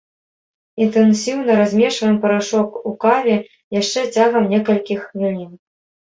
Інтэнсіўна размешваем парашок у каве яшчэ цягам некалькіх хвілін.